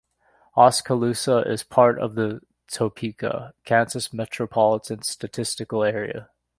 Oskaloosa is part of the Topeka, Kansas Metropolitan Statistical Area.